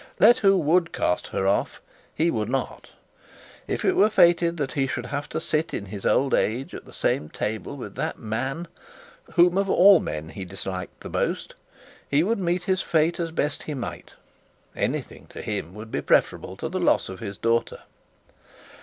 Let who would cast her off, he would not. If it were fated, that he should have to sit in his old age at the same table with a man whom of all men he disliked the most, he would meet his fate as best he might. Anything to him would be preferable to the loss of his daughter.